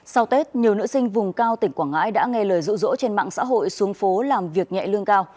sau tết nhiều nữ sinh vùng cao tỉnh quảng ngãi đã nghe lời rụ rỗ trên mạng xã hội xuống phố làm việc nhẹ lương cao